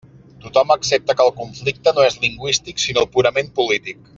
Tothom accepta que el conflicte no és lingüístic sinó purament polític.